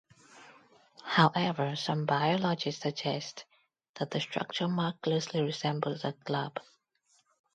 However, some biologists suggest that the structure more closely resembles a club.